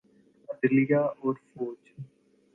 عدلیہ اورفوج۔